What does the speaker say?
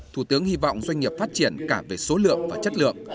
thủ tướng hy vọng doanh nghiệp phát triển cả về số lượng và chất lượng